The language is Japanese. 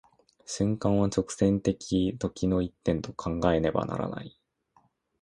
瞬間は直線的時の一点と考えねばならない。